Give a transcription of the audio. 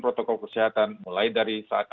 protokol kesehatan mulai dari saat